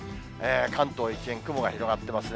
関東一円、雲が広がってますね。